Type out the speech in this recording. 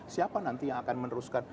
siapa nanti yang akan meneruskan